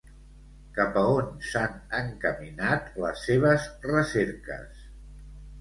Cap a on s'han encaminat les seves recerques?